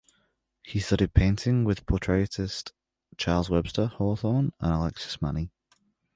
He studied painting with portraitist Charles Webster Hawthorne and Alexis Many.